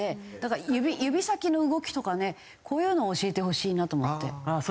指先の動きとかねこういうのを教えてほしいなと思って。